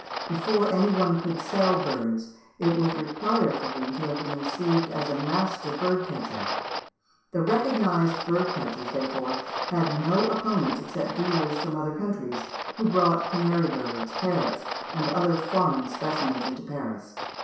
Before any one could sell birds it was required for him to have been received as a master bird catcher. The recognised bird catchers, therefore, had no opponents except dealers from other countries, who brought canary birds, parrots, and other foreign specimens into Paris.